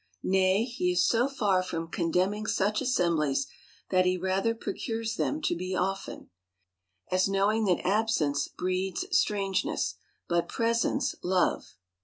Nay, he is so far from condemning such assemblies, that he rather procures them to be often; as knowing that absence breeds strangeness, but presence, love.